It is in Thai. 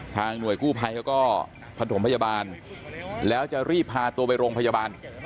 หน่วยกู้ภัยเขาก็ผสมพยาบาลแล้วจะรีบพาตัวไปโรงพยาบาล